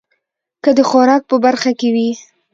که د خوراک په برخه کې وي